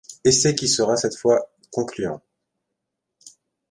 Essai qui sera cette fois concluant.